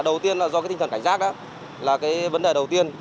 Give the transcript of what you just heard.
đầu tiên là do cái tinh thần cảnh giác là cái vấn đề đầu tiên